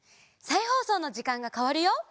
再放送の時間が変わるよ！